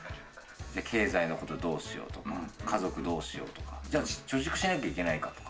経済のことどうしようとか、家族どうしようとか、じゃあ貯蓄しなきゃいけないかとか。